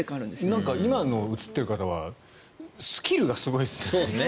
なんか今の映っている方はスキルがすごいですね。